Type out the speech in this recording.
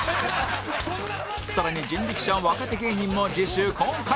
更に人力舎若手芸人も次週公開